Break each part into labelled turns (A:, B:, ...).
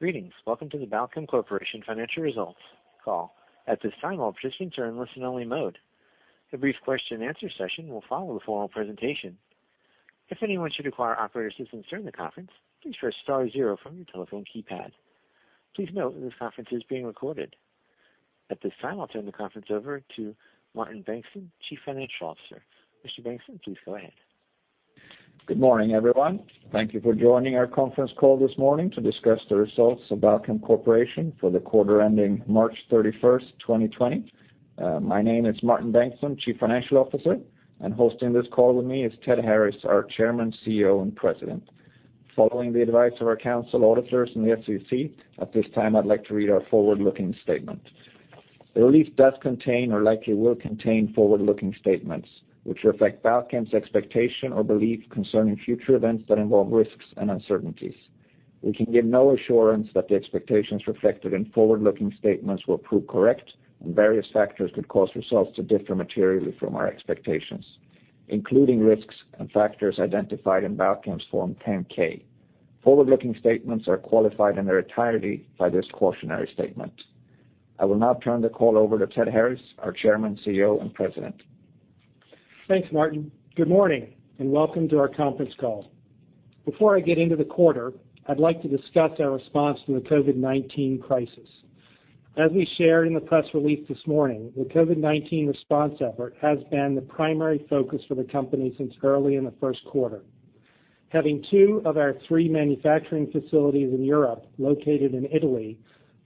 A: Greetings. Welcome to the Balchem Corporation Financial Results Call. At this time, all participants are in listen-only mode. A brief question-and-answer session will follow the formal presentation. If anyone should require operator assistance during the conference, please press star zero from your telephone keypad. Please note that this conference is being recorded. At this time, I'll turn the conference over to Martin Bengtsson, Chief Financial Officer. Mr. Bengtsson, please go ahead.
B: Good morning, everyone. Thank you for joining our conference call this morning to discuss the Results of Balchem Corporation for the Quarter Ending March 31st, 2020. My name is Martin Bengtsson, Chief Financial Officer, and hosting this call with me is Ted Harris, our Chairman, CEO, and President. Following the advice of our counsel, auditors, and the SEC, at this time, I'd like to read our forward-looking statement. The release does contain or likely will contain forward-looking statements, which reflect Balchem's expectation or belief concerning future events that involve risks and uncertainties. We can give no assurance that the expectations reflected in forward-looking statements will prove correct, and various factors could cause results to differ materially from our expectations, including risks and factors identified in Balchem's Form 10-K. Forward-looking statements are qualified in their entirety by this cautionary statement. I will now turn the call over to Ted Harris, our Chairman, CEO, and President.
C: Thanks, Martin. Good morning, and welcome to our conference call. Before I get into the quarter, I'd like to discuss our response to the COVID-19 crisis. As we shared in the press release this morning, the COVID-19 response effort has been the primary focus for the company since early in the first quarter. Having two of our three manufacturing facilities in Europe located in Italy,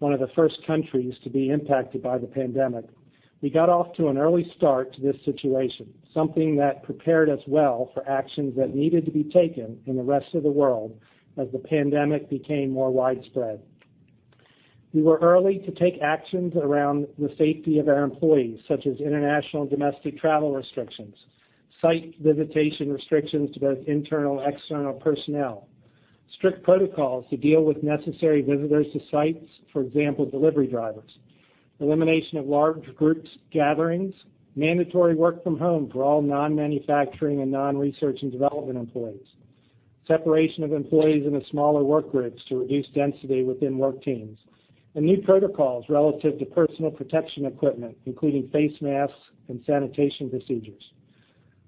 C: one of the first countries to be impacted by the pandemic, we got off to an early start to this situation, something that prepared us well for actions that needed to be taken in the rest of the world as the pandemic became more widespread. We were early to take actions around the safety of our employees, such as international and domestic travel restrictions, site visitation restrictions to both internal/external personnel, strict protocols to deal with necessary visitors to sites, for example, delivery drivers, elimination of large groups gatherings, mandatory work from home for all non-manufacturing and non-research and development employees, separation of employees into smaller work groups to reduce density within work teams, and new protocols relative to personal protection equipment, including face masks and sanitation procedures.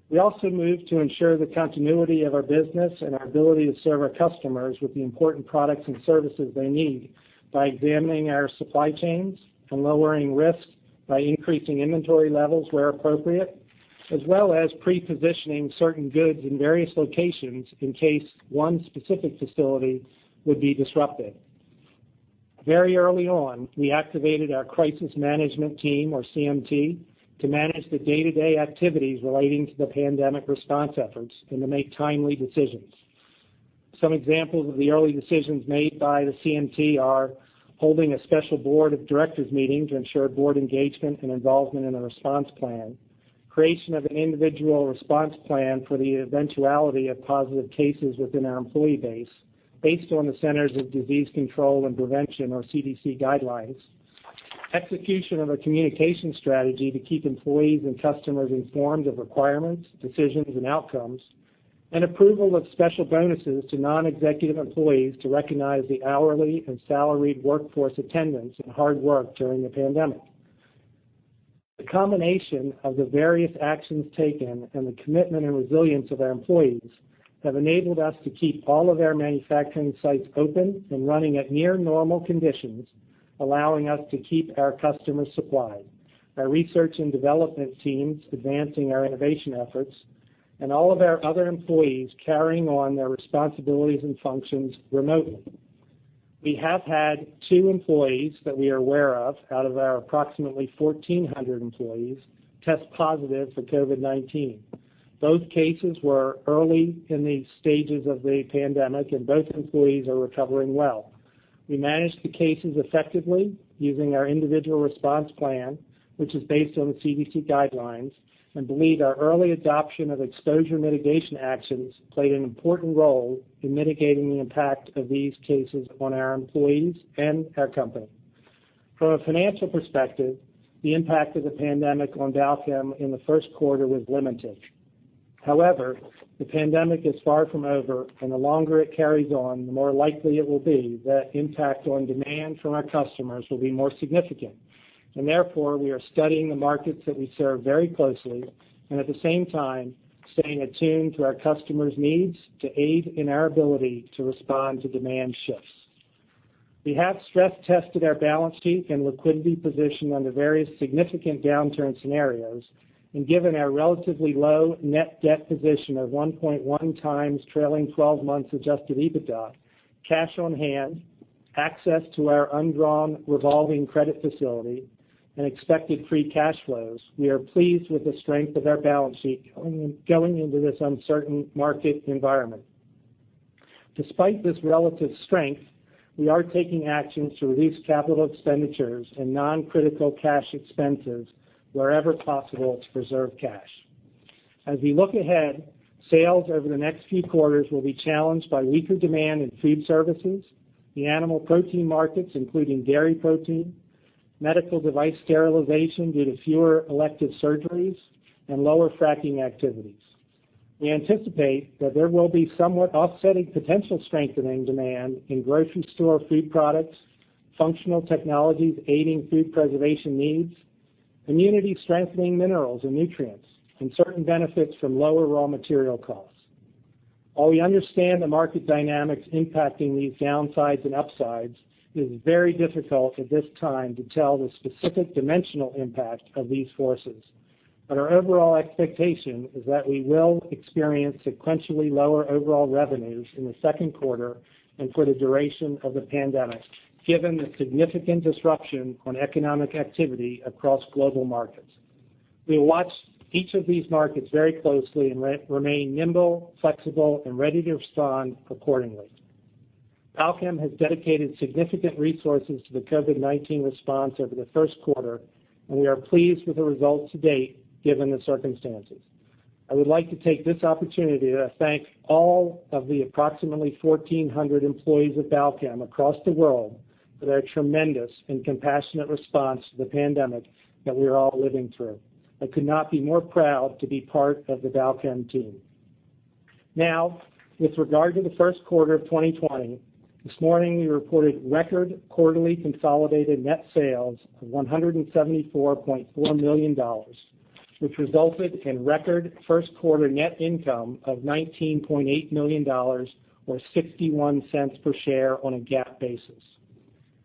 C: We also moved to ensure the continuity of our business and our ability to serve our customers with the important products and services they need by examining our supply chains and lowering risks by increasing inventory levels where appropriate, as well as pre-positioning certain goods in various locations in case one specific facility would be disrupted. Very early on, we activated our crisis management team or CMT to manage the day-to-day activities relating to the pandemic response efforts and to make timely decisions. Some examples of the early decisions made by the CMT are holding a special Board of Directors meeting to ensure Board engagement and involvement in a response plan, creation of an individual response plan for the eventuality of positive cases within our employee base based on the Centers for Disease Control and Prevention or CDC guidelines, execution of a communication strategy to keep employees and customers informed of requirements, decisions, and outcomes, and approval of special bonuses to non-executive employees to recognize the hourly and salaried workforce attendance and hard work during the pandemic. The combination of the various actions taken and the commitment and resilience of our employees have enabled us to keep all of our manufacturing sites open and running at near normal conditions, allowing us to keep our customers supplied. Our research and development teams advancing our innovation efforts and all of our other employees carrying on their responsibilities and functions remotely. We have had two employees that we are aware of out of our approximately 1,400 employees test positive for COVID-19. Both cases were early in the stages of the pandemic, and both employees are recovering well. We managed the cases effectively using our individual response plan, which is based on the CDC guidelines, and believe our early adoption of exposure mitigation actions played an important role in mitigating the impact of these cases on our employees and our company. From a financial perspective, the impact of the pandemic on Balchem in the first quarter was limited. However, the pandemic is far from over, and the longer it carries on, the more likely it will be that impact on demand from our customers will be more significant. Therefore, we are studying the markets that we serve very closely and at the same time, staying attuned to our customers' needs to aid in our ability to respond to demand shifts. We have stress-tested our balance sheet and liquidity position under various significant downturn scenarios, and given our relatively low net debt position of 1.1x trailing 12 months adjusted EBITDA, cash on hand, access to our undrawn revolving credit facility, and expected free cash flows, we are pleased with the strength of our balance sheet going into this uncertain market environment. Despite this relative strength, we are taking actions to reduce capital expenditures and non-critical cash expenses wherever possible to preserve cash. As we look ahead, sales over the next few quarters will be challenged by weaker demand in food services, the animal protein markets, including dairy protein, medical device sterilization due to fewer elective surgeries, and lower fracking activities. We anticipate that there will be somewhat offsetting potential strengthening demand in grocery store food products, functional technologies aiding food preservation needs, immunity-strengthening minerals and nutrients, and certain benefits from lower raw material costs. While we understand the market dynamics impacting these downsides and upsides, it is very difficult at this time to tell the specific dimensional impact of these forces. Our overall expectation is that we will experience sequentially lower overall revenues in the second quarter and for the duration of the pandemic, given the significant disruption on economic activity across global markets. We will watch each of these markets very closely and remain nimble, flexible, and ready to respond accordingly. Balchem has dedicated significant resources to the COVID-19 response over the first quarter, and we are pleased with the results to date, given the circumstances. I would like to take this opportunity to thank all of the approximately 1,400 employees of Balchem across the world for their tremendous and compassionate response to the pandemic that we are all living through. I could not be more proud to be part of the Balchem team. With regard to the first quarter of 2020, this morning we reported record quarterly consolidated net sales of $174.4 million, which resulted in record first quarter net income of $19.8 million or $0.61 per share on a GAAP basis.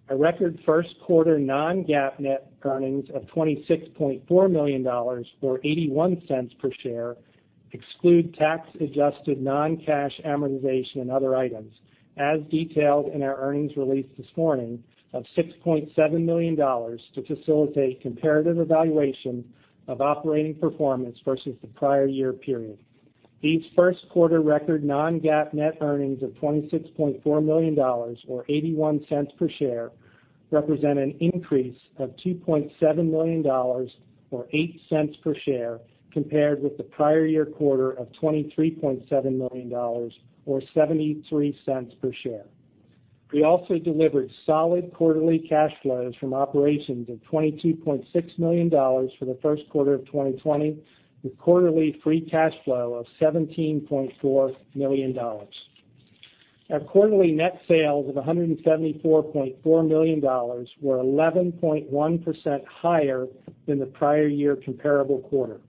C: Our record first quarter non-GAAP net earnings of $26.4 million or $0.81 per share exclude tax-adjusted non-cash amortization and other items, as detailed in our earnings release this morning of $6.7 million to facilitate comparative evaluation of operating performance versus the prior-year period. These first quarter record non-GAAP net earnings of $26.4 million or $0.81 per share represent an increase of $2.7 million or $0.08 per share compared with the prior-year quarter of $23.7 million or $0.73 per share. We also delivered solid quarterly cash flows from operations of $22.6 million for the first quarter of 2020, with quarterly free cash flow of $17.4 million. Our quarterly net sales of $174.4 million were 11.1% higher than the prior-year comparable quarter.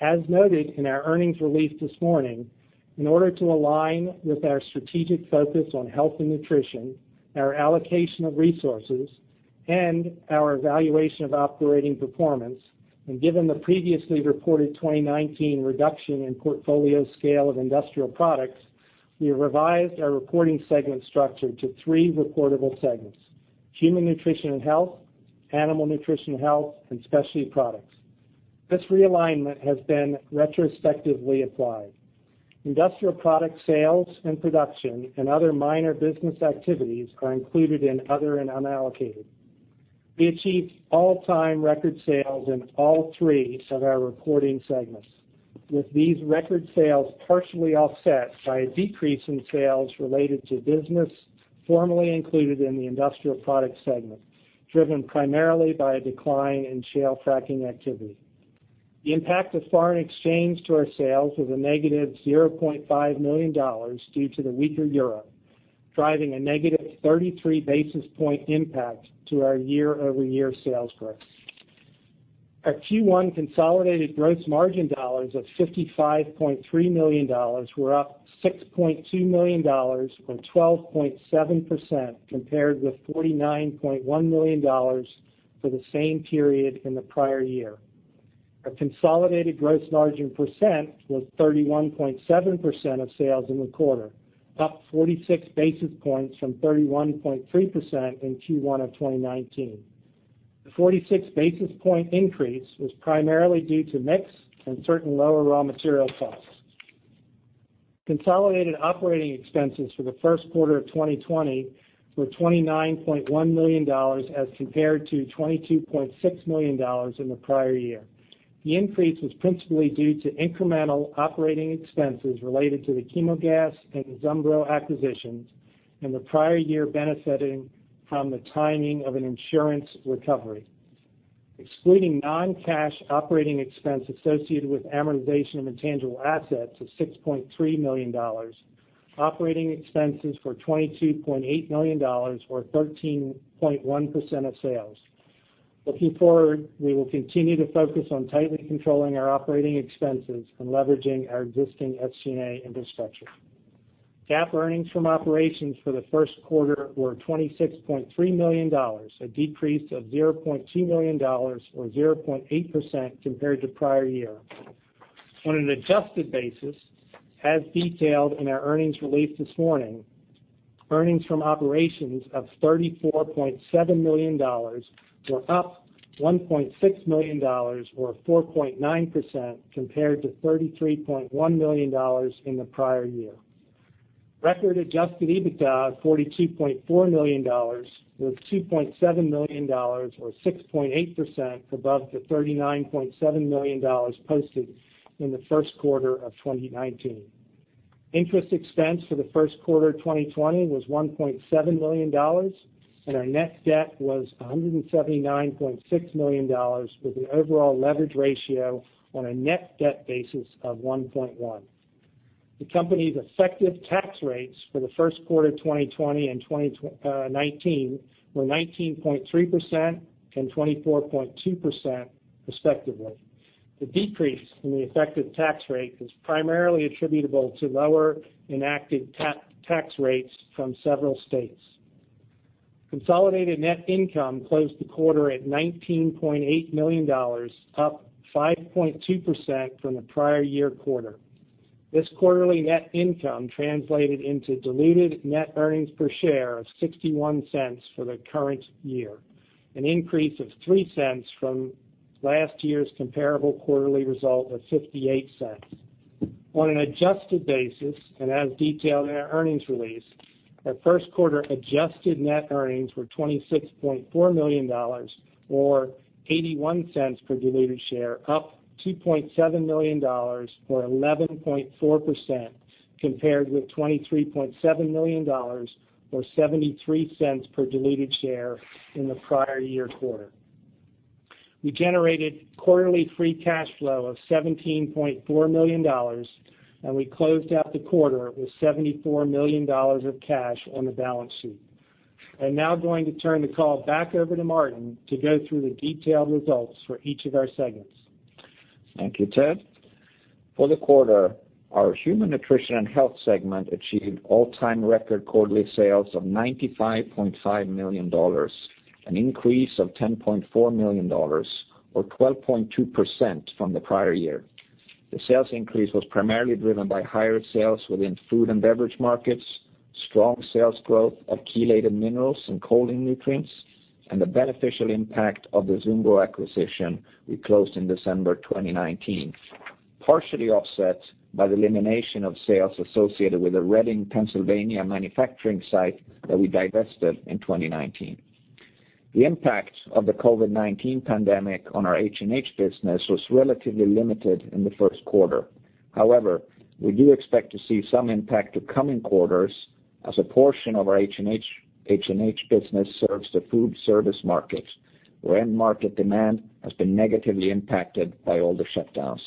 C: As noted in our earnings release this morning, in order to align with our strategic focus on health and nutrition, our allocation of resources, and our evaluation of operating performance, given the previously reported 2019 reduction in portfolio scale of Industrial Products, we revised our reporting segment structure to three reportable segments: Human Nutrition and Health, Animal Nutrition and Health, and Specialty Products. This realignment has been retrospectively applied. Industrial Products sales and production and other minor business activities are included in other and unallocated. We achieved all-time record sales in all three of our reporting segments, with these record sales partially offset by a decrease in sales related to business formerly included in the Industrial Products segment, driven primarily by a decline in shale fracking activity. The impact of foreign exchange to our sales was a -$0.5 million due to the weaker euro, driving a -33 basis point impact to our year-over-year sales growth. Our Q1 consolidated gross margin dollars of $55.3 million were up $6.2 million or 12.7% compared with $49.1 million for the same period in the prior-year. Our consolidated gross margin percent was 31.7% of sales in the quarter, up 46 basis points from 31.3% in Q1 of 2019. The 46 basis point increase was primarily due to mix and certain lower raw material costs. Consolidated operating expenses for the first quarter of 2020 were $29.1 million as compared to $22.6 million in the prior-year. The increase was principally due to incremental operating expenses related to the Chemogas and Zumbro acquisitions in the prior-year benefiting from the timing of an insurance recovery. Excluding non-cash operating expense associated with amortization of intangible assets of $6.3 million, operating expenses were $22.8 million or 13.1% of sales. Looking forward, we will continue to focus on tightly controlling our operating expenses and leveraging our existing SG&A infrastructure. GAAP earnings from operations for the first quarter were $26.3 million, a decrease of $0.2 million or 0.8% compared to prior-year. On an adjusted basis, as detailed in our earnings release this morning, earnings from operations of $34.7 million were up $1.6 million or 4.9% compared to $33.1 million in the prior-year. Record adjusted EBITDA of $42.4 million was $2.7 million or 6.8% above the $39.7 million posted in the first quarter of 2019. Interest expense for the first quarter of 2020 was $1.7 million. Our net debt was $179.6 million, with the overall leverage ratio on a net debt basis of 1.1x. The company's effective tax rates for the first quarter 2020 and 2019 were 19.3% and 24.2%, respectively. The decrease in the effective tax rate is primarily attributable to lower enacted tax rates from several states. Consolidated net income closed the quarter at $19.8 million, up 5.2% from the prior-year quarter. This quarterly net income translated into diluted net earnings per share of $0.61 for the current year, an increase of $0.03 from last year's comparable quarterly result of $0.58. On an adjusted basis, and as detailed in our earnings release, our first quarter adjusted net earnings were $26.4 million or $0.81 per diluted share, up $2.7 million or 11.4%, compared with $23.7 million or $0.73 per diluted share in the prior-year quarter. We generated quarterly free cash flow of $17.4 million, and we closed out the quarter with $74 million of cash on the balance sheet. I'm now going to turn the call back over to Martin to go through the detailed results for each of our segments.
B: Thank you, Ted. For the quarter, our Human Nutrition & Health segment achieved all-time record quarterly sales of $95.5 million, an increase of $10.4 million or 12.2% from the prior-year. The sales increase was primarily driven by higher sales within food and beverage markets, strong sales growth of chelated minerals and choline nutrients, and the beneficial impact of the Zumbro acquisition we closed in December 2019, partially offset by the elimination of sales associated with the Reading, Pennsylvania manufacturing site that we divested in 2019. The impact of the COVID-19 pandemic on our HNH business was relatively limited in the first quarter. However, we do expect to see some impact to coming quarters as a portion of our HNH business serves the food service market, where end market demand has been negatively impacted by all the shutdowns.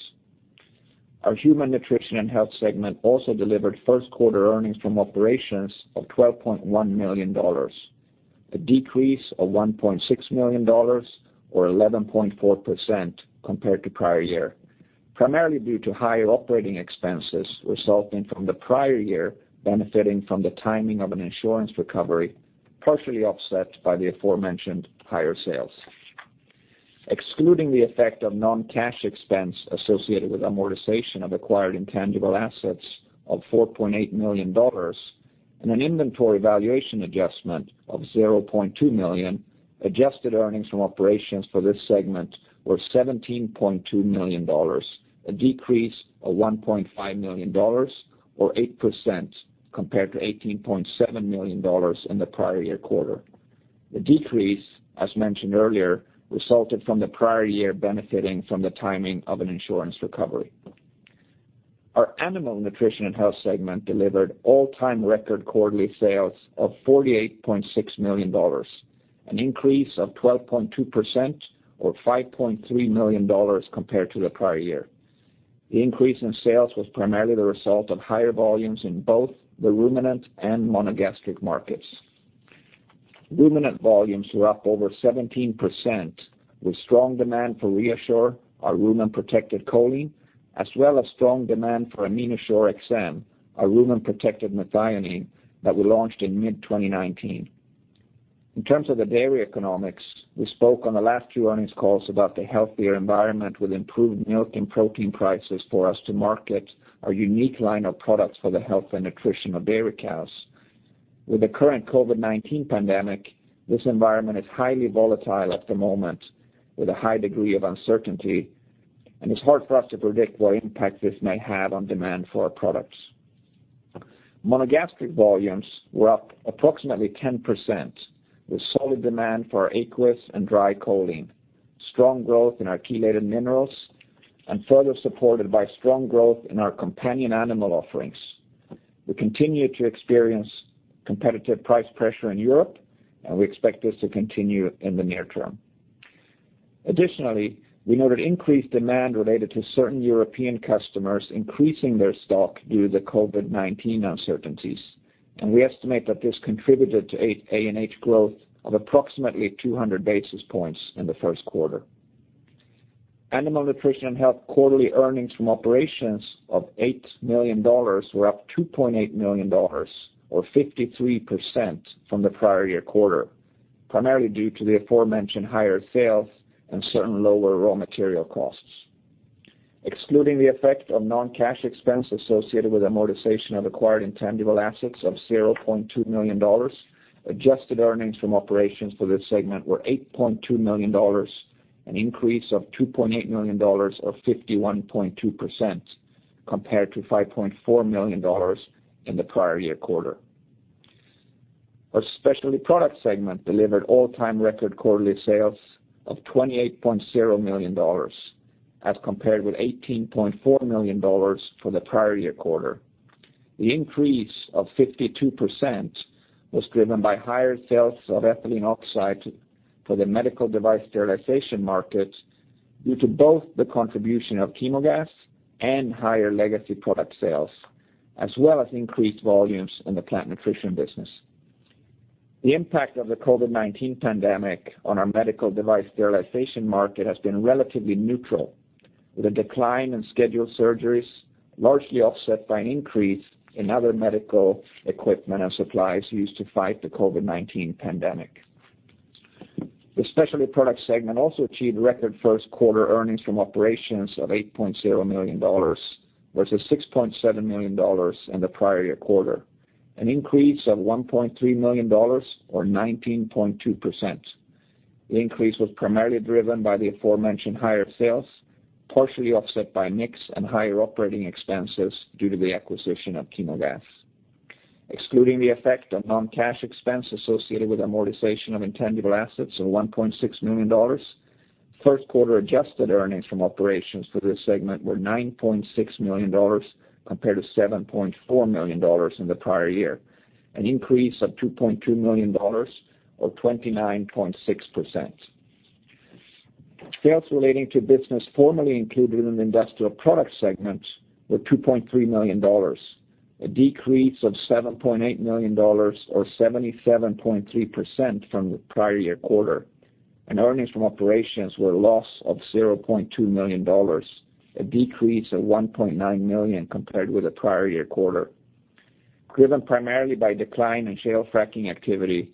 B: Our Human Nutrition & Health segment also delivered first quarter earnings from operations of $12.1 million, a decrease of $1.6 million or 11.4% compared to prior-year, primarily due to higher operating expenses resulting from the prior-year benefiting from the timing of an insurance recovery, partially offset by the aforementioned higher sales. Excluding the effect of non-cash expense associated with amortization of acquired intangible assets of $4.8 million and an inventory valuation adjustment of $0.2 million, adjusted earnings from operations for this segment were $17.2 million, a decrease of $1.5 million or 8% compared to $18.7 million in the prior-year quarter. The decrease, as mentioned earlier, resulted from the prior-year benefiting from the timing of an insurance recovery. Our Animal Nutrition & Health segment delivered all-time record quarterly sales of $48.6 million, an increase of 12.2% or $5.3 million compared to the prior-year. The increase in sales was primarily the result of higher volumes in both the ruminant and monogastric markets. Ruminant volumes were up over 17%, with strong demand for ReaShure, our rumen-protected choline, as well as strong demand for AminoShure-XM, our rumen-protected methionine that we launched in mid-2019. In terms of the dairy economics, we spoke on the last few earnings calls about the healthier environment with improved milk and protein prices for us to market our unique line of products for the health and nutrition of dairy cows. With the current COVID-19 pandemic, this environment is highly volatile at the moment, with a high degree of uncertainty, and it's hard for us to predict what impact this may have on demand for our products. Monogastric volumes were up approximately 10%, with solid demand for aqueous and dry choline, strong growth in our chelated minerals, and further supported by strong growth in our companion animal offerings. We continue to experience competitive price pressure in Europe, and we expect this to continue in the near-term. Additionally, we noted increased demand related to certain European customers increasing their stock due to the COVID-19 uncertainties, and we estimate that this contributed to ANH growth of approximately 200 basis points in the first quarter. Animal Nutrition & Health quarterly earnings from operations of $8 million were up $2.8 million or 53% from the prior-year quarter, primarily due to the aforementioned higher sales and certain lower raw material costs. Excluding the effect of non-cash expense associated with amortization of acquired intangible assets of $0.2 million, adjusted earnings from operations for this segment were $8.2 million, an increase of $2.8 million or 51.2% compared to $5.4 million in the prior-year quarter. Our Specialty Products segment delivered all-time record quarterly sales of $28.0 million as compared with $18.4 million from the prior-year quarter. The increase of 52% was driven by higher sales of ethylene oxide for the medical device sterilization markets, due to both the contribution of Chemogas and higher legacy product sales, as well as increased volumes in the Plant Nutrition business. The impact of the COVID-19 pandemic on our medical device sterilization market has been relatively neutral, with a decline in scheduled surgeries largely offset by an increase in other medical equipment and supplies used to fight the COVID-19 pandemic. The Specialty Products segment also achieved record first quarter earnings from operations of $8.7 million, versus $6.7 million in the prior-year quarter, an increase of $1.3 million, or 19.2%. The increase was primarily driven by the aforementioned higher sales, partially offset by mix and higher operating expenses due to the acquisition of Chemogas. Excluding the effect of non-cash expense associated with amortization of intangible assets of $1.6 million, first quarter adjusted earnings from operations for this segment were $9.6 million compared to $7.4 million in the prior-year, an increase of $2.2 million, or 29.6%. Sales relating to business formerly included in the Industrial Products segment were $2.3 million, a decrease of $7.8 million, or 77.3% from the prior-year quarter. Earnings from operations were a loss of $0.2 million, a decrease of $1.9 million compared with the prior-year quarter, driven primarily by decline in shale fracking activity,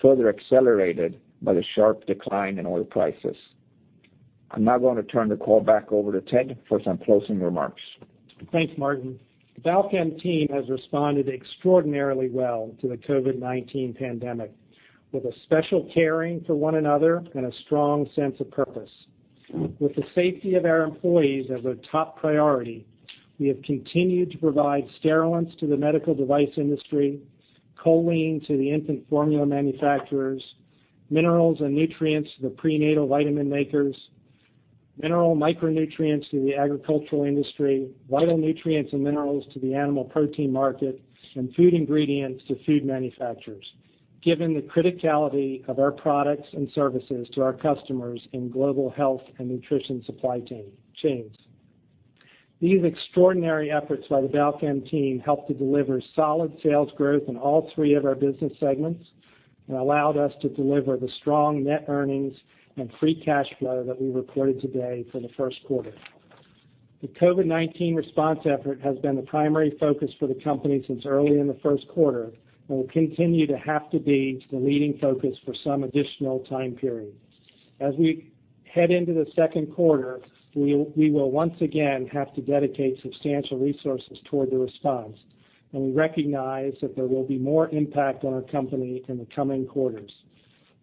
B: further accelerated by the sharp decline in oil prices. I'm now going to turn the call back over to Ted for some closing remarks.
C: Thanks, Martin. The Balchem team has responded extraordinarily well to the COVID-19 pandemic with a special caring for one another and a strong sense of purpose. With the safety of our employees as a top priority, we have continued to provide sterilants to the medical device industry, choline to the infant formula manufacturers, minerals and nutrients to the prenatal vitamin makers, mineral micronutrients to the agricultural industry, vital nutrients and minerals to the animal protein market, and food ingredients to food manufacturers, given the criticality of our products and services to our customers in global health and nutrition supply chains. These extraordinary efforts by the Balchem team helped to deliver solid sales growth in all three of our business segments and allowed us to deliver the strong net earnings and free cash flow that we reported today for the first quarter. The COVID-19 response effort has been the primary focus for the company since early in the first quarter and will continue to have to be the leading focus for some additional time period. As we head into the second quarter, we will once again have to dedicate substantial resources toward the response, and we recognize that there will be more impact on our company in the coming quarters.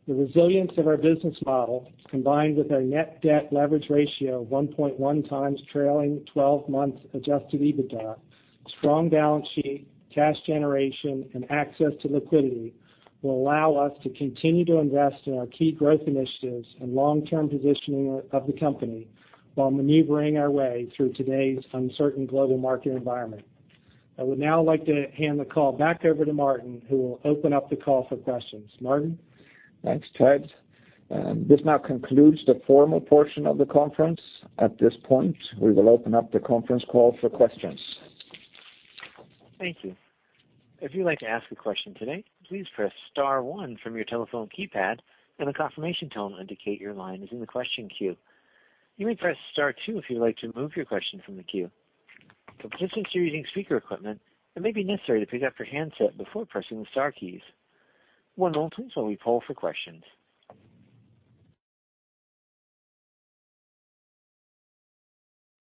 C: The resilience of our business model, combined with our net debt leverage ratio of 1.1x trailing 12 months adjusted EBITDA, strong balance sheet, cash generation, and access to liquidity, will allow us to continue to invest in our key growth initiatives and long-term positioning of the company while maneuvering our way through today's uncertain global market environment. I would now like to hand the call back over to Martin, who will open up the call for questions. Martin?
B: Thanks, Ted. This now concludes the formal portion of the conference. At this point, we will open up the conference call for questions.
A: Thank you. If you'd like to ask a question today, please press star one from your telephone keypad, and a confirmation tone will indicate your line is in the question queue. You may press star two if you'd like to remove your question from the queue. For participants using speaker equipment, it may be necessary to pick up your handset before pressing the star keys. One moment while we poll for questions.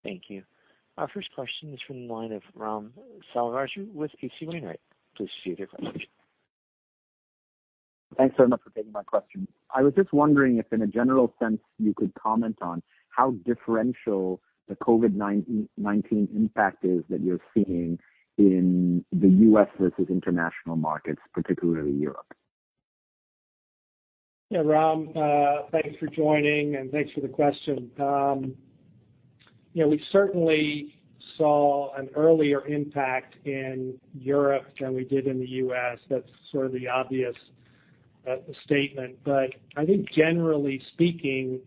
A: Thank you. Our first question is from the line of Raghuram Selvaraju with H.C. Wainwright. Please proceed with your question.
D: Thanks so much for taking my question. I was just wondering if, in a general sense, you could comment on how differential the COVID-19 impact is that you're seeing in the U.S. versus international markets, particularly Europe.
C: Ram, thanks for joining, thanks for the question. We certainly saw an earlier impact in Europe than we did in the U.S. That's sort of the obvious statement. I think generally speaking,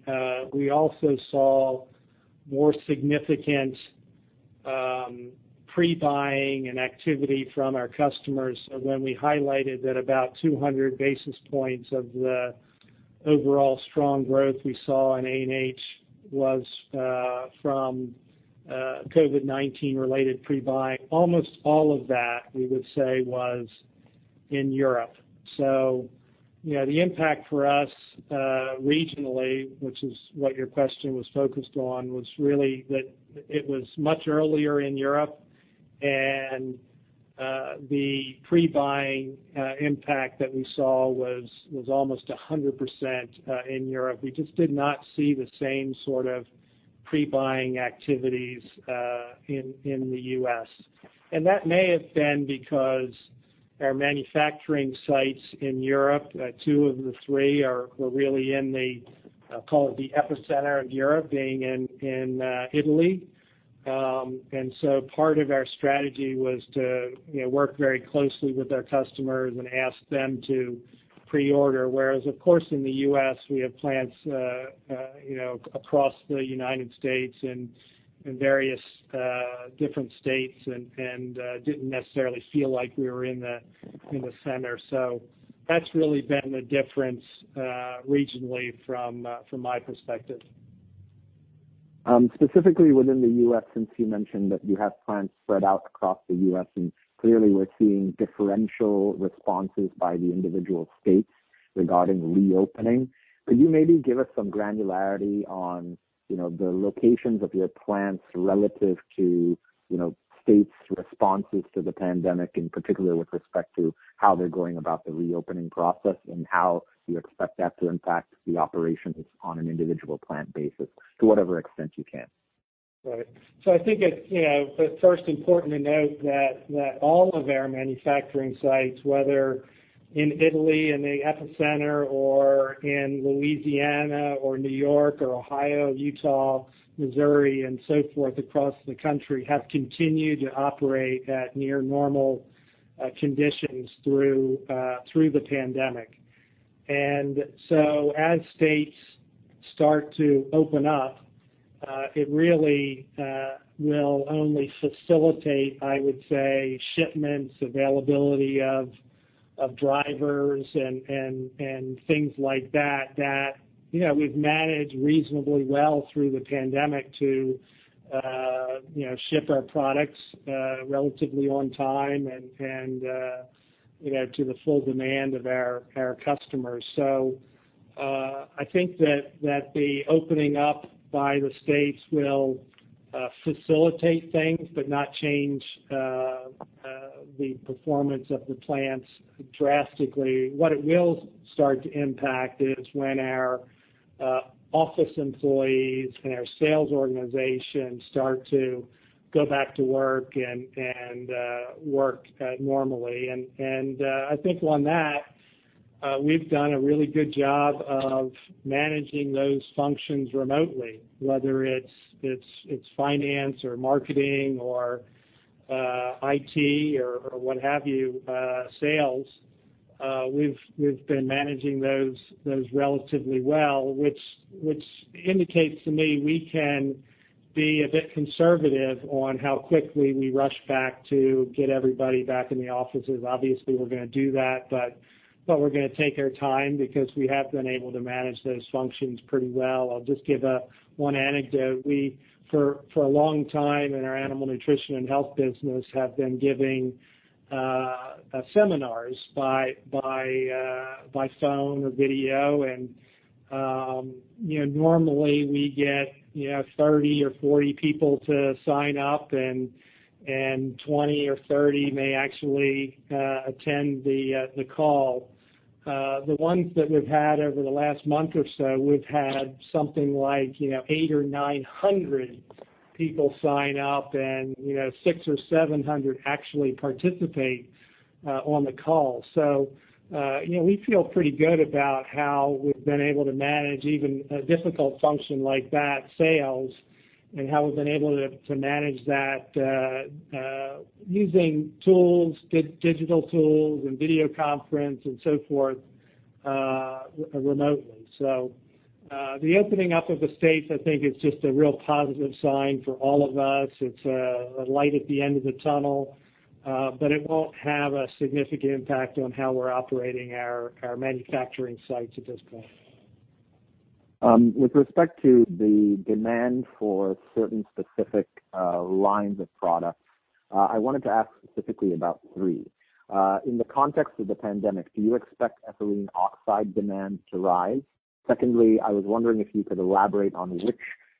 C: we also saw more significant pre-buying and activity from our customers when we highlighted that about 200 basis points of the overall strong growth we saw in ANH was from COVID-19 related pre-buying. Almost all of that, we would say, was in Europe. The impact for us regionally, which is what your question was focused on, was really that it was much earlier in Europe, the pre-buying impact that we saw was almost 100% in Europe. We just did not see the same sort of pre-buying activities in the U.S. That may have been because our manufacturing sites in Europe, two of the three were really in the, call it the epicenter of Europe, being in Italy. Part of our strategy was to work very closely with our customers and ask them to pre-order. Whereas, of course, in the U.S., we have plants across the United States and in various different states, and didn't necessarily feel like we were in the center. That's really been the difference regionally from my perspective.
D: Specifically within the U.S., since you mentioned that you have plants spread out across the U.S., and clearly we're seeing differential responses by the individual states regarding reopening, could you maybe give us some granularity on the locations of your plants relative to states' responses to the pandemic, and particularly with respect to how they're going about the reopening process and how you expect that to impact the operations on an individual plant basis, to whatever extent you can?
C: Right. I think it's first important to note that all of our manufacturing sites, whether in Italy, in the epicenter, or in Louisiana, or New York, or Ohio, Utah, Missouri, and so forth across the country, have continued to operate at near normal conditions through the pandemic. As states start to open up, it really will only facilitate, I would say, shipments, availability of drivers, and things like that we've managed reasonably well through the pandemic to ship our products relatively on time and to the full demand of our customers. I think that the opening up by the states will facilitate things but not change the performance of the plants drastically. What it will start to impact is when our office employees and our sales organization start to go back to work and work normally. I think on that, we've done a really good job of managing those functions remotely, whether it's finance or marketing or IT or what have you, sales. We've been managing those relatively well, which indicates to me we can be a bit conservative on how quickly we rush back to get everybody back in the offices. Obviously, we're going to do that, but we're going to take our time because we have been able to manage those functions pretty well. I'll just give one anecdote. We, for a long time in our Animal Nutrition & Health business, have been giving seminars by phone or video. Normally we get 30 or 40 people to sign up and 20 or 30 may actually attend the call. The ones that we've had over the last month or so, we've had something like 800 or 900 people sign up, and 600 or 700 actually participate on the call. We feel pretty good about how we've been able to manage even a difficult function like that, sales, and how we've been able to manage that using tools, digital tools and video conference and so forth, remotely. The opening up of the states, I think, is just a real positive sign for all of us. It's a light at the end of the tunnel. It won't have a significant impact on how we're operating our manufacturing sites at this point.
D: With respect to the demand for certain specific lines of products, I wanted to ask specifically about three. In the context of the pandemic, do you expect ethylene oxide demand to rise? Secondly, I was wondering if you could elaborate on which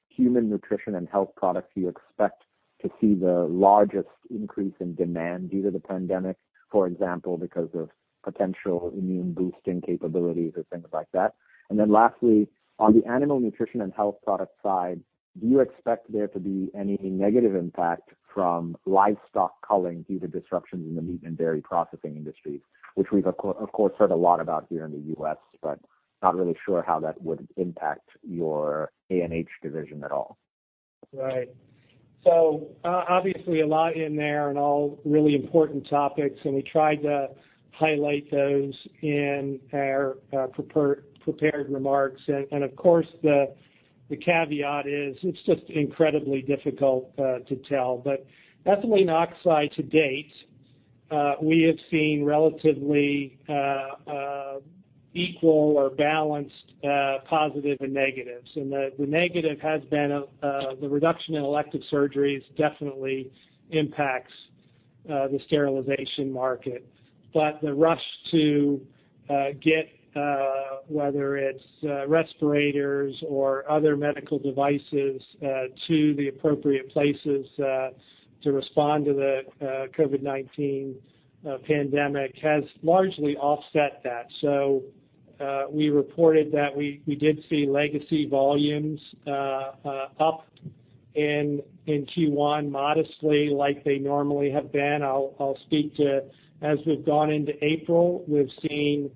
D: Human Nutrition & Health products you expect to see the largest increase in demand due to the pandemic, for example, because of potential immune-boosting capabilities or things like that. Lastly, on the Animal Nutrition & Health product side, do you expect there to be any negative impact from livestock culling due to disruptions in the meat and dairy processing industries? Which we've of course, heard a lot about here in the U.S., but not really sure how that would impact your ANH division at all.
C: Right. Obviously a lot in there and all really important topics, and we tried to highlight those in our prepared remarks. Of course, the caveat is it's just incredibly difficult to tell. Ethylene oxide to date, we have seen relatively equal or balanced positives and negatives. The negative has been the reduction in elective surgeries definitely impacts the sterilization market. The rush to get whether it's respirators or other medical devices to the appropriate places to respond to the COVID-19 pandemic has largely offset that. We reported that we did see legacy volumes up in Q1 modestly like they normally have been. I'll speak to, as we've gone into April, we've seen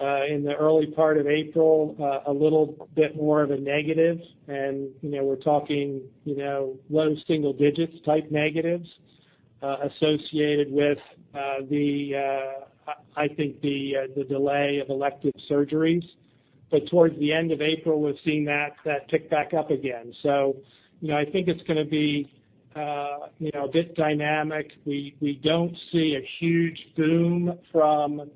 C: in the early part of April, a little bit more of a negative. We're talking low-single-digits type negatives associated with the, I think the delay of elective surgeries. Towards the end of April, we've seen that tick back up again. I think it's going to be a bit dynamic. We don't see a huge boom from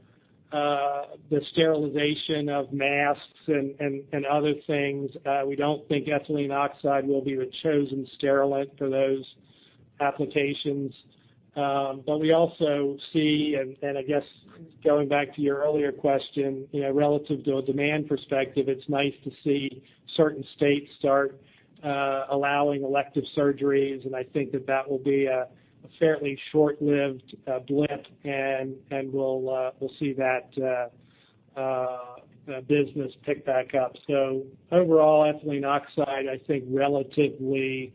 C: the sterilization of masks and other things. We don't think ethylene oxide will be the chosen sterilant for those applications. We also see, and I guess going back to your earlier question, relative to a demand perspective, it's nice to see certain states start allowing elective surgeries. I think that will be a fairly short-lived blip and we'll see that business pick back up. Overall, ethylene oxide, I think relatively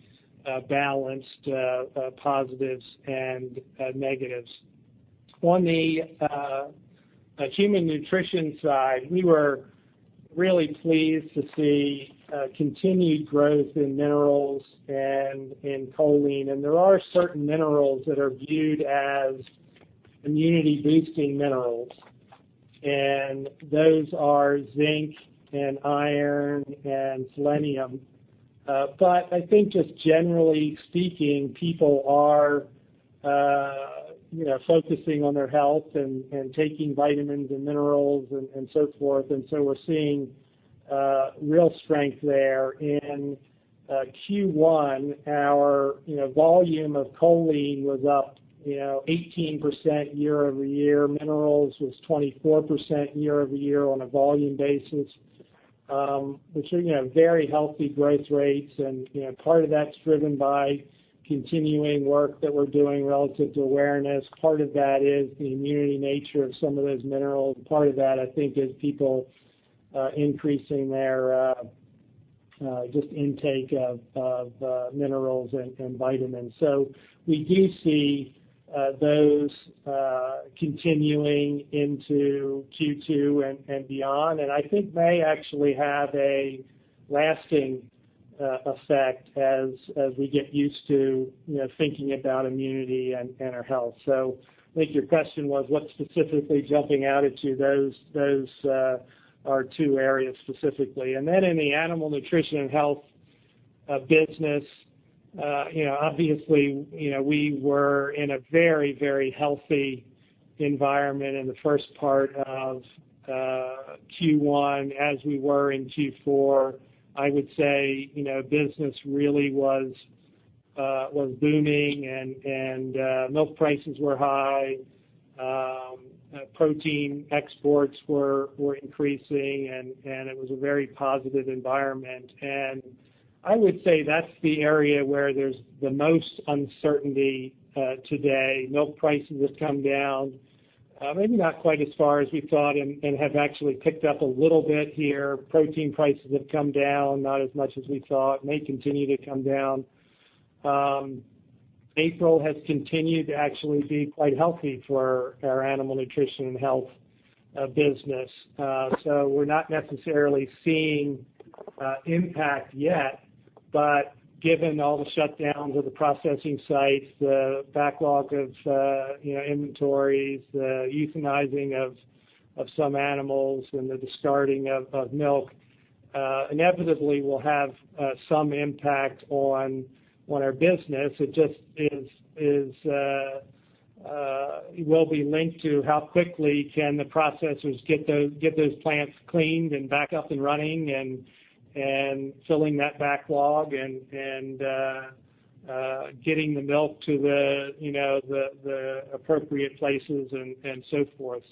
C: balanced positives and negatives. On the Human Nutrition side, we were really pleased to see continued growth in minerals and in choline. There are certain minerals that are viewed as immunity-boosting minerals, and those are zinc and iron and selenium. I think just generally speaking, people are focusing on their health and taking vitamins and minerals and so forth. We're seeing real strength there. In Q1, our volume of choline was up 18% year-over-year. Minerals was 24% year-over-year on a volume basis, which are very healthy growth rates. Part of that's driven by continuing work that we're doing relative to awareness. Part of that is the immunity nature of some of those minerals. Part of that, I think, is people increasing their just intake of minerals and vitamins. We do see those continuing into Q2 and beyond. I think may actually have a lasting effect as we get used to thinking about immunity and our health. I think your question was, what's specifically jumping out at you, those are two areas specifically. Then in the Animal Nutrition & Health business, obviously, we were in a very healthy environment in the first part of Q1, as we were in Q4. I would say business really was booming and milk prices were high. Protein exports were increasing, and it was a very positive environment. I would say that's the area where there's the most uncertainty today. Milk prices have come down, maybe not quite as far as we thought and have actually ticked up a little bit here. Protein prices have come down, not as much as we thought, may continue to come down. April has continued to actually be quite healthy for our Animal Nutrition & Health business. We are not necessarily seeing impact yet, but given all the shutdowns of the processing sites, the backlog of inventories, the euthanizing of some animals, and the discarding of milk inevitably will have some impact on our business. It just will be linked to how quickly can the processors get those plants cleaned and back up and running and filling that backlog and getting the milk to the appropriate places and so forth.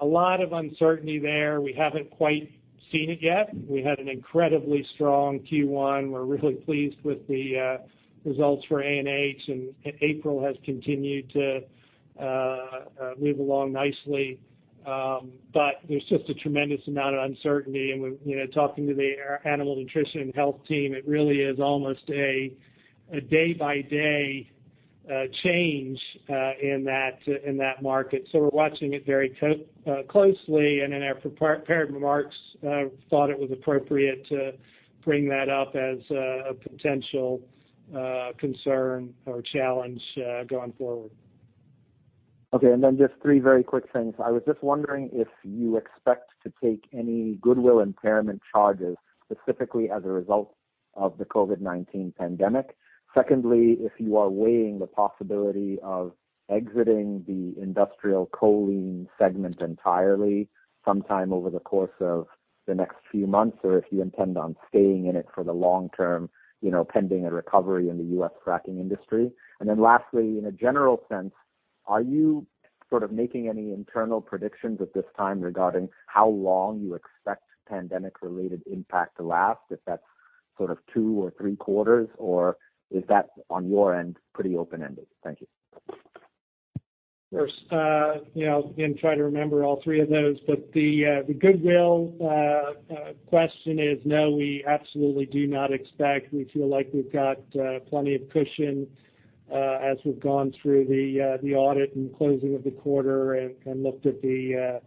C: A lot of uncertainty there. We have not quite seen it yet. We had an incredibly strong Q1. We are really pleased with the results for ANH, and April has continued to move along nicely. There is just a tremendous amount of uncertainty. Talking to the Animal Nutrition & Health team, it really is almost a day-by-day change in that market. We are watching it very closely. In our prepared remarks, thought it was appropriate to bring that up as a potential concern or challenge going forward.
D: Okay, just three very quick things. I was just wondering if you expect to take any goodwill impairment charges, specifically as a result of the COVID-19 pandemic. Secondly, if you are weighing the possibility of exiting the industrial choline segment entirely sometime over the course of the next few months, or if you intend on staying in it for the long-term pending a recovery in the U.S. fracking industry. Lastly, in a general sense, are you making any internal predictions at this time regarding how long you expect pandemic-related impact to last, if that's two or three quarters, or is that, on your end, pretty open-ended? Thank you.
C: Of course. Again, try to remember all three of those. The goodwill question is, no, we absolutely do not expect. We feel like we've got plenty of cushion as we've gone through the audit and closing of the quarter and looked at the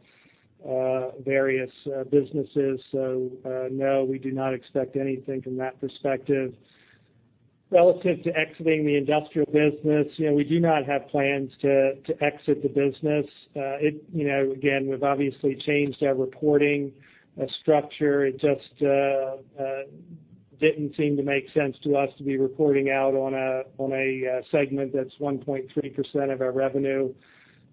C: various businesses. No, we do not expect anything from that perspective. Relative to exiting the Industrial Products, we do not have plans to exit the business. Again, we've obviously changed our reporting structure. It just didn't seem to make sense to us to be reporting out on a segment that's 1.3% of our revenue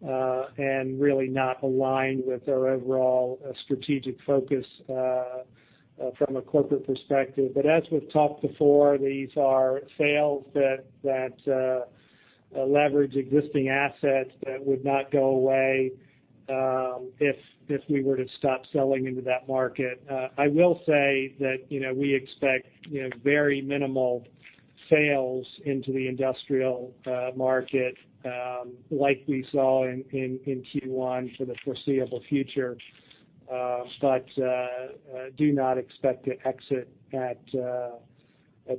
C: and really not aligned with our overall strategic focus from a corporate perspective. As we've talked before, these are sales that leverage existing assets that would not go away if we were to stop selling into that market. I will say that we expect very minimal sales into the Industrial Products market like we saw in Q1 for the foreseeable future. Do not expect to exit at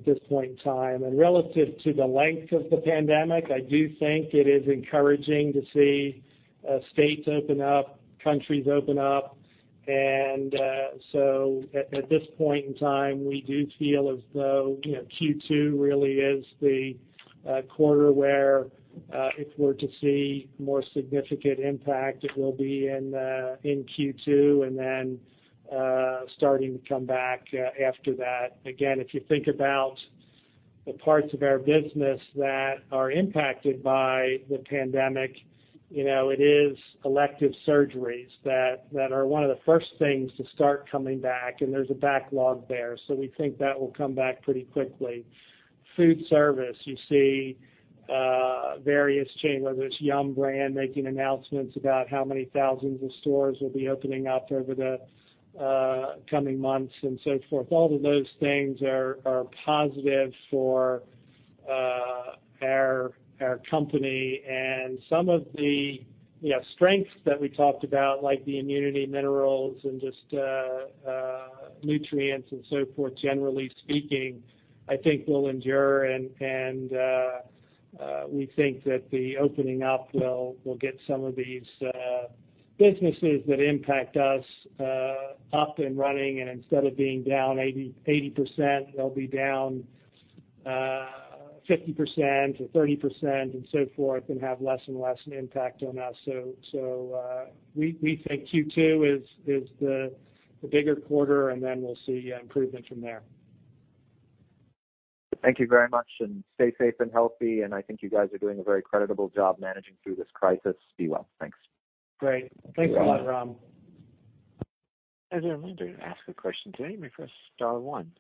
C: this point in time. Relative to the length of the pandemic, I do think it is encouraging to see states open up, countries open up. At this point in time, we do feel as though Q2 really is the quarter where, if we're to see more significant impact, it will be in Q2 and then starting to come back after that. Again, if you think about the parts of our business that are impacted by the pandemic, it is elective surgeries that are one of the first things to start coming back, and there's a backlog there. We think that will come back pretty quickly. Food service, you see various chain, whether it's Yum!. Brands making announcements about how many thousands of stores will be opening up over the coming months and so forth. All of those things are positive for our company. Some of the strengths that we talked about, like the immunity minerals and just nutrients and so forth, generally speaking, I think will endure, and we think that the opening up will get some of these businesses that impact us up and running, and instead of being down 80%, they'll be down 50% or 30% and so forth and have less and less impact on us. We think Q2 is the bigger quarter, and then we'll see improvement from there.
D: Thank you very much, and stay safe and healthy. I think you guys are doing a very creditable job managing through this crisis. Be well. Thanks.
C: Great. Thanks a lot, Ram.
A: As a reminder, to ask a question today, you may press star one.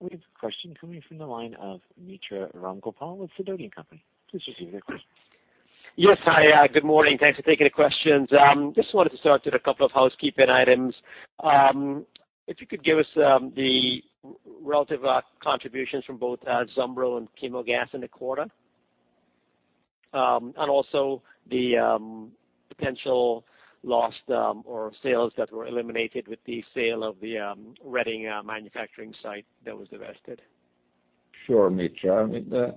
A: We have a question coming from the line of Mitra Ramgopal with Sidoti & Company. Please proceed with your question.
E: Yes. Hi, good morning. Thanks for taking the questions. I just wanted to start with a couple of housekeeping items. If you could give us the relative contributions from both Zumbro and Chemogas in the quarter, and also the potential lost or sales that were eliminated with the sale of the Reading manufacturing site that was divested.
B: Sure, Mitra. I mean, the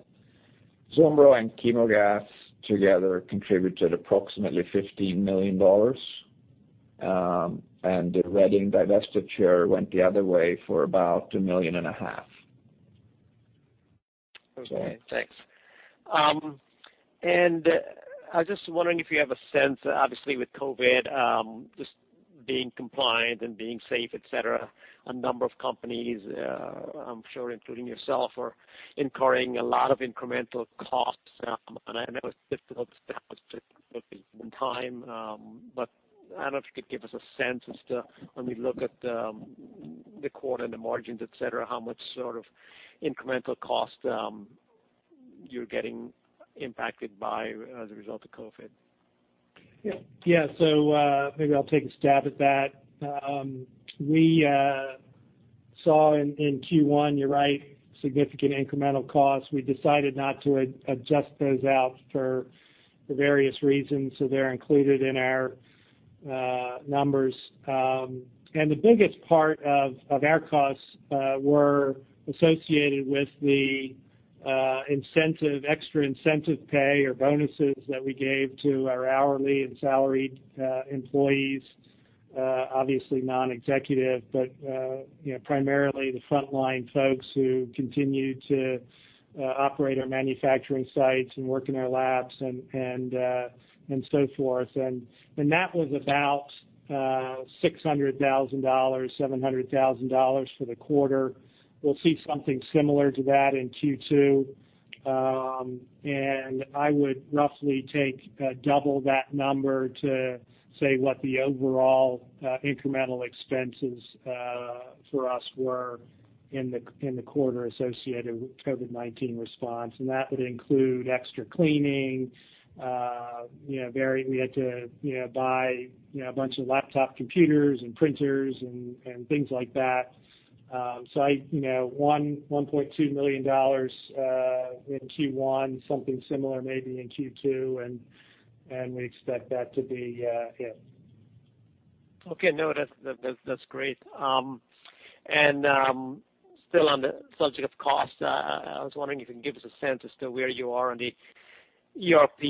B: Zumbro and Chemogas together contributed approximately $15 million, and the Reading divestiture went the other way for about $1.5 million.
E: Okay, thanks. I was just wondering if you have a sense, obviously with COVID, just being compliant and being safe, et cetera, a number of companies, I'm sure including yourself, are incurring a lot of incremental costs. I know it's difficult to establish it in time, but I don't know if you could give us a sense as to when we look at the quarter and the margins, et cetera, how much incremental cost you're getting impacted by as a result of COVID?
C: Yeah. Maybe I'll take a stab at that. We saw in Q1, you're right, significant incremental costs. We decided not to adjust those out for various reasons, so they're included in our numbers. The biggest part of our costs were associated with the extra incentive pay or bonuses that we gave to our hourly and salaried employees, obviously non-executive, but primarily the frontline folks who continued to operate our manufacturing sites and work in our labs and so forth. That was about $600,000, $700,000 for the quarter. We'll see something similar to that in Q2. I would roughly take double that number to say what the overall incremental expenses for us were in the quarter associated with COVID-19 response. That would include extra cleaning. We had to buy a bunch of laptop computers and printers and things like that. $1.2 million in Q1, something similar maybe in Q2, and we expect that to be it.
E: Okay. No, that's great. Still on the subject of cost, I was wondering if you can give us a sense as to where you are on the ERP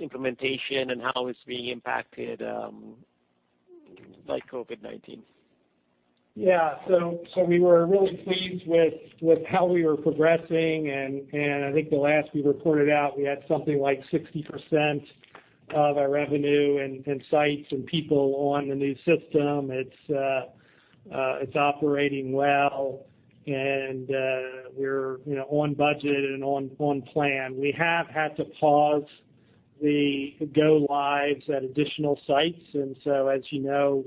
E: implementation and how it's being impacted by COVID-19.
C: Yeah. We were really pleased with how we were progressing, and I think the last we reported out, we had something like 60% of our revenue and sites and people on the new system. It's operating well and we're on budget and on plan. We have had to pause the go lives at additional sites. As you know,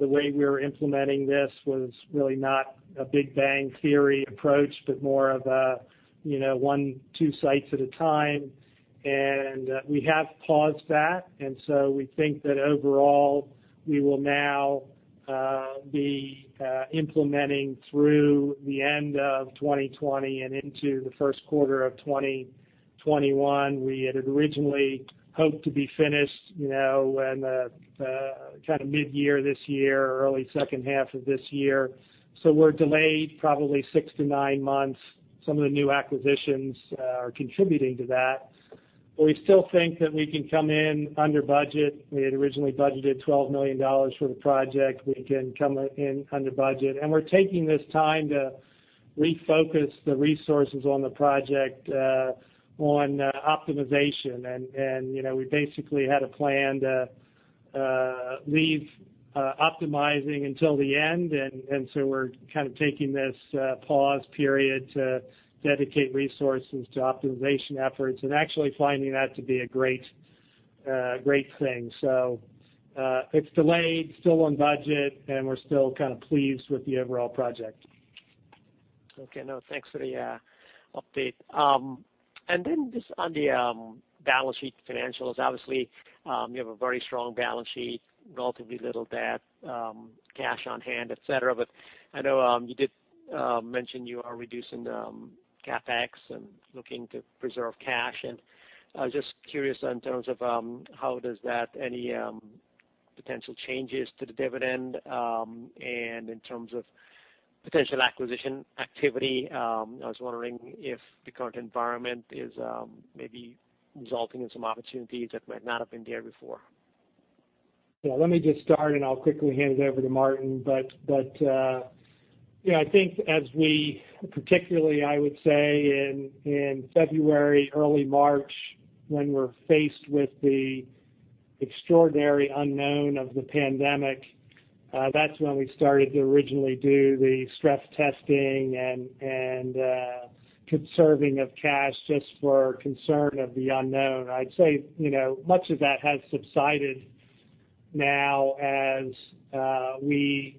C: the way we were implementing this was really not a big bang theory approach, but more of a one, two sites at a time. We have paused that, we think that overall we will now be implementing through the end of 2020 and into the first quarter of 2021. We had originally hoped to be finished in the mid-year this year, early second half of this year. We're delayed probably six-nine months. Some of the new acquisitions are contributing to that. We still think that we can come in under budget. We had originally budgeted $12 million for the project. We can come in under budget. We're taking this time to refocus the resources on the project on optimization. We basically had a plan to leave optimizing until the end, and so we're kind of taking this pause period to dedicate resources to optimization efforts and actually finding that to be a great thing. It's delayed, still on budget, and we're still kind of pleased with the overall project.
E: Okay. No, thanks for the update. Then just on the balance sheet financials, obviously, you have a very strong balance sheet, relatively little debt, cash on hand, et cetera. I know you did mention you are reducing the CapEx and looking to preserve cash. I was just curious in terms of how does that any potential changes to the dividend, and in terms of potential acquisition activity, I was wondering if the current environment is maybe resulting in some opportunities that might not have been there before.
C: Let me just start and I'll quickly hand it over to Martin. I think as we, particularly, I would say in February, early March, when we're faced with the extraordinary unknown of the pandemic, that's when we started to originally do the stress testing and conserving of cash just for concern of the unknown. I'd say much of that has subsided now as we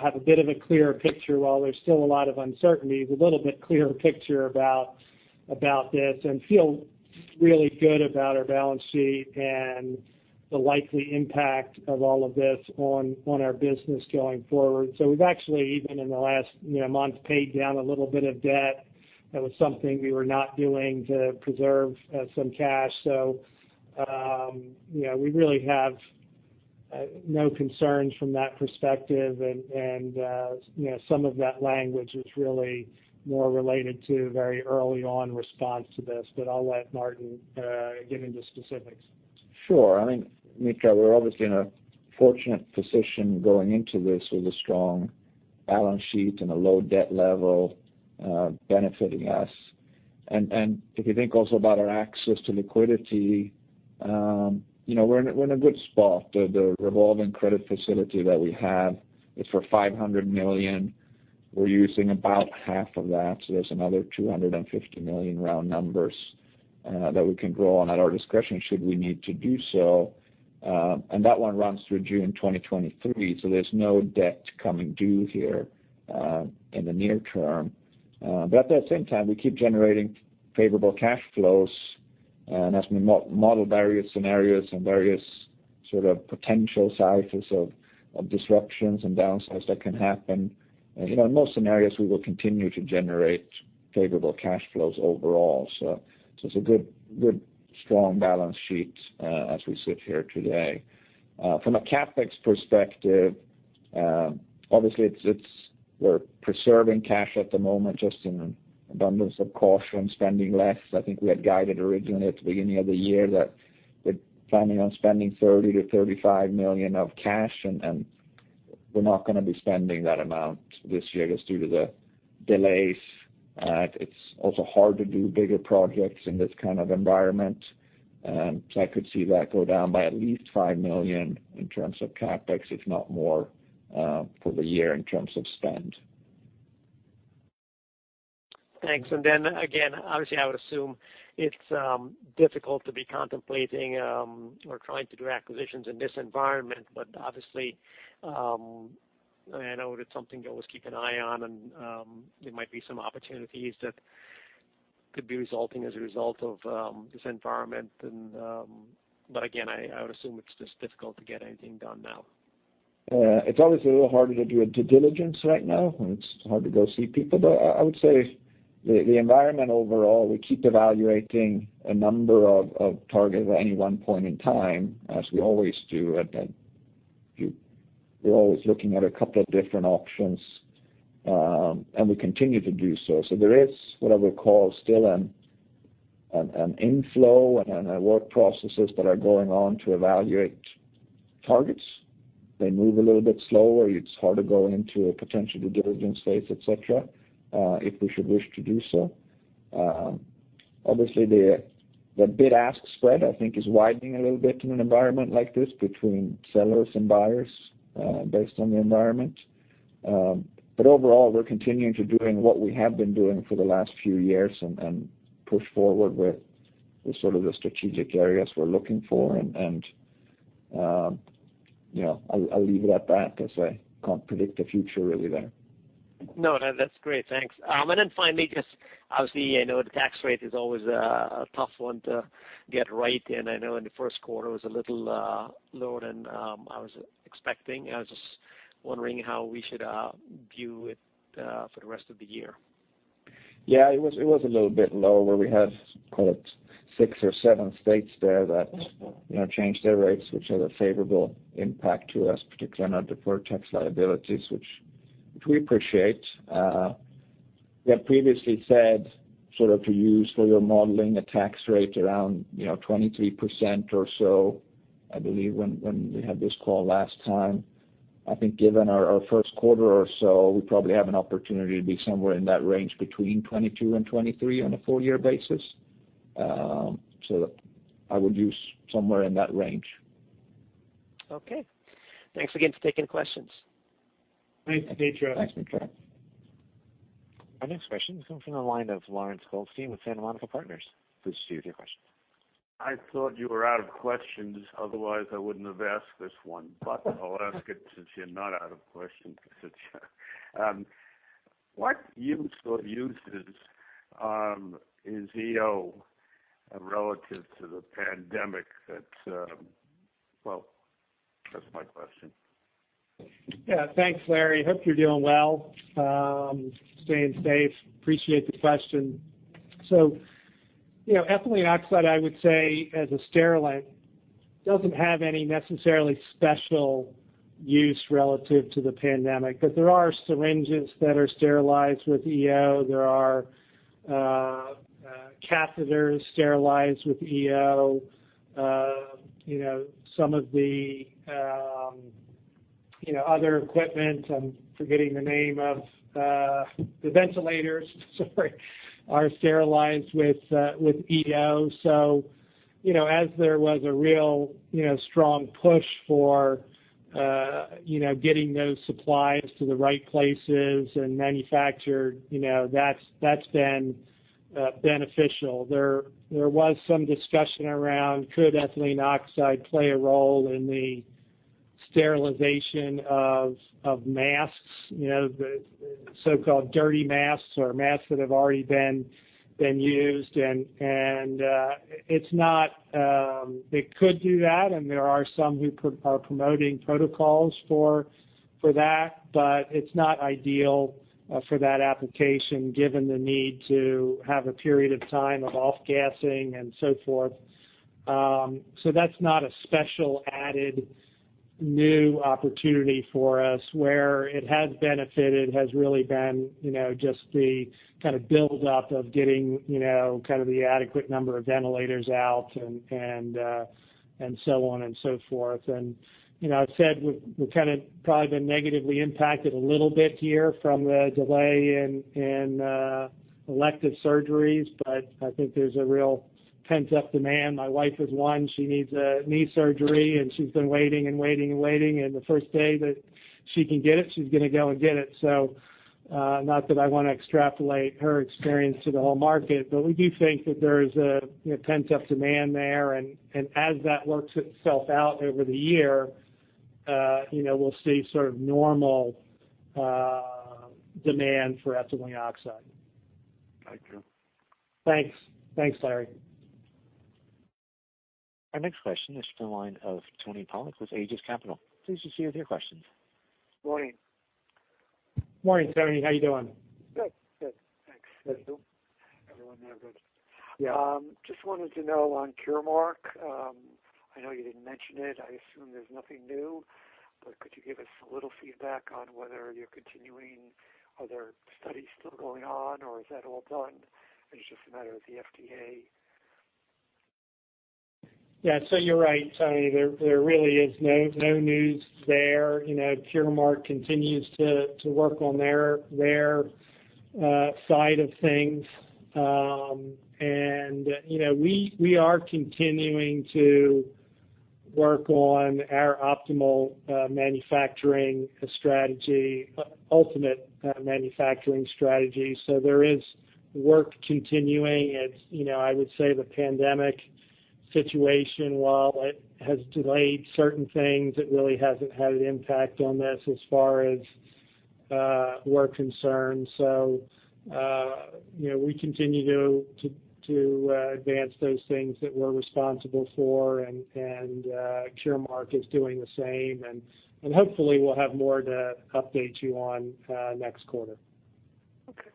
C: have a bit of a clearer picture. While there's still a lot of uncertainty, there's a little bit clearer picture about this and feel really good about our balance sheet and the likely impact of all of this on our business going forward. We've actually, even in the last month, paid down a little bit of debt. That was something we were not doing to preserve some cash. We really have no concerns from that perspective. Some of that language is really more related to very early on response to this. I'll let Martin get into specifics.
B: Sure. I mean, Mitra, we're obviously in a fortunate position going into this with a strong balance sheet and a low debt level benefiting us. If you think also about our access to liquidity, we're in a good spot. The revolving credit facility that we have is for $500 million. We're using about half of that, so there's another $250 million round numbers that we can draw on at our discretion should we need to do so. That one runs through June 2023, so there's no debt coming due here in the near-term. At that same time, we keep generating favorable cash flows. As we model various scenarios and various sort of potential sizes of disruptions and downsides that can happen, in most scenarios, we will continue to generate favorable cash flows overall. It's a good strong balance sheet as we sit here today. From a CapEx perspective, obviously we're preserving cash at the moment just in abundance of caution, spending less. I think we had guided originally at the beginning of the year that we're planning on spending $30 million-$35 million of cash, and we're not going to be spending that amount this year just due to the delays. It's also hard to do bigger projects in this kind of environment. I could see that go down by at least 5 million in terms of CapEx, if not more, for the year in terms of spend.
E: Thanks. Then again, obviously, I would assume it's difficult to be contemplating or trying to do acquisitions in this environment. Obviously, I know that's something you always keep an eye on, and there might be some opportunities that could be resulting as a result of this environment. Again, I would assume it's just difficult to get anything done now.
B: It's obviously a little harder to do a due diligence right now, and it's hard to go see people. I would say the environment overall, we keep evaluating a number of targets at any one point in time, as we always do. We're always looking at a couple of different options. We continue to do so. There is what I would call still an inflow and work processes that are going on to evaluate targets. They move a little bit slower. It's hard to go into a potential due diligence phase, et cetera, if we should wish to do so. Obviously, the bid-ask spread, I think, is widening a little bit in an environment like this between sellers and buyers based on the environment. Overall, we're continuing to doing what we have been doing for the last few years and push forward with the strategic areas we're looking for. I'll leave it at that because I can't predict the future really there.
E: No, that's great. Thanks. Then finally, because obviously, I know the tax rate is always a tough one to get right, and I know in the first quarter it was a little lower than I was expecting. I was just wondering how we should view it for the rest of the year.
B: It was a little bit lower. We had, call it six or seven states there that changed their rates, which had a favorable impact to us, particularly on our deferred tax liabilities, which we appreciate. We had previously said to use for your modeling a tax rate around 23% or so, I believe, when we had this call last time. I think given our first quarter or so, we probably have an opportunity to be somewhere in that range between 22 and 23 on a full-year basis. I would use somewhere in that range.
E: Okay. Thanks again for taking the questions.
C: Thanks, Mitra.
B: Thanks, Mitra.
A: Our next question comes from the line of Lawrence Goldstein with Santa Monica Partners. Please proceed with your question.
F: I thought you were out of questions, otherwise I wouldn't have asked this one. I'll ask it since you're not out of questions. What use or uses is EO relative to the pandemic? That's my question.
C: Thanks, Larry. Hope you're doing well, staying safe. Appreciate the question. Ethylene oxide, I would say, as a sterilant, doesn't have any necessarily special use relative to the pandemic. There are syringes that are sterilized with EO. There are catheters sterilized with EO. Some of the other equipment, I'm forgetting the name of. The ventilators, sorry, are sterilized with EO. As there was a real strong push for getting those supplies to the right places and manufactured, that's been beneficial. There was some discussion around could ethylene oxide play a role in the sterilization of masks, the so-called dirty masks or masks that have already been used. And it could do that, and there are some who are promoting protocols for that, but it's not ideal for that application given the need to have a period of time of off-gassing and so forth. That's not a special added new opportunity for us. Where it has benefited has really been just the kind of build up of getting the adequate number of ventilators out and so on and so forth. I've said we've kind of probably been negatively impacted a little bit here from the delay in elective surgeries, but I think there's a real pent-up demand. My wife is one. She needs a knee surgery, and she's been waiting and waiting and waiting, and the first day that she can get it, she's going to go and get it. Not that I want to extrapolate her experience to the whole market, but we do think that there is a pent-up demand there. As that works itself out over the year, we'll see sort of normal demand for ethylene oxide.
F: Thank you.
C: Thanks. Thanks, Larry.
A: Our next question is from the line of Tony Polak with Aegis Capital. Please proceed with your questions.
G: Morning.
C: Morning, Tony. How are you doing?
G: Good. Thanks.
H: Everyone there good?
C: Yeah.
G: Just wanted to know on Curemark, I know you didn't mention it. I assume there's nothing new. Could you give us a little feedback on whether you're continuing other studies still going on, or is that all done, and it's just a matter of the FDA?
C: Yeah. You're right, Tony. There really is no news there. Curemark continues to work on their side of things. We are continuing to work on our optimal manufacturing strategy, ultimate manufacturing strategy. There is work continuing. I would say the pandemic situation, while it has delayed certain things, it really hasn't had an impact on this as far as we're concerned. We continue to advance those things that we're responsible for, and Curemark is doing the same. Hopefully, we'll have more to update you on next quarter.
G: Okay.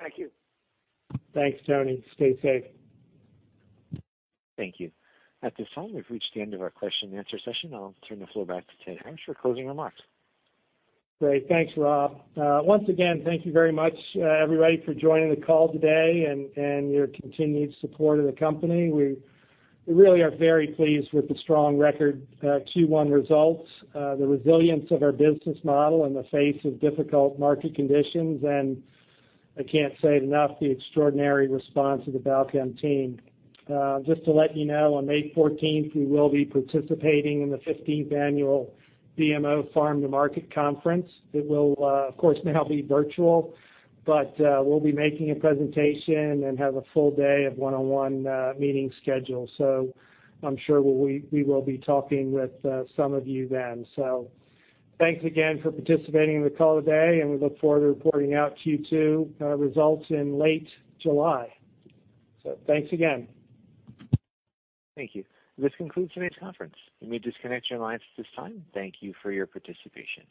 G: Thank you.
C: Thanks, Tony. Stay safe.
A: Thank you. At this time, we've reached the end of our question and answer session. I'll turn the floor back to Ted Harris for closing remarks.
C: Great. Thanks, Bob. Once again, thank you very much, everybody, for joining the call today and your continued support of the company. We really are very pleased with the strong record Q1 results, the resilience of our business model in the face of difficult market conditions, and I can't say it enough, the extraordinary response of the Balchem team. Just to let you know, on May 14th, we will be participating in the 15th Annual BMO Farm to Market Conference. It will, of course, now be virtual. We'll be making a presentation and have a full day of one-on-one meetings scheduled. I'm sure we will be talking with some of you then. Thanks again for participating in the call today, and we look forward to reporting out Q2 results in late July. Thanks again.
A: Thank you. This concludes today's conference. You may disconnect your lines at this time. Thank you for your participation.